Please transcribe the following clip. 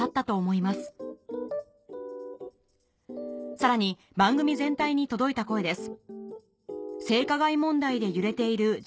さらに番組全体に届いた声です